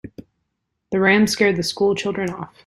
The ram scared the school children off.